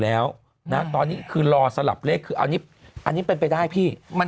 แล้วนะตอนนี้คือรอสลับเลขคืออันนี้อันนี้เป็นไปได้พี่มัน